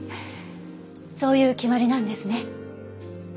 そういう決まりなんですね。